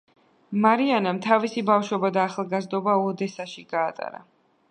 მარიანამ თავისი ბავშვობა და ახალგაზრდობა ოდესაში გაატარა.